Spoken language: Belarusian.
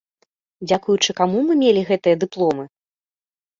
Дзякуючы каму мы мелі гэтыя дыпломы?